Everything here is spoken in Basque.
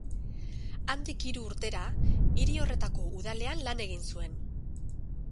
Handik hiru urtera, hiri horretako udalean lan egin zuen.